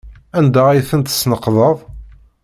Anda ay ten-tesneqdeḍ?